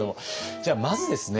じゃあまずですね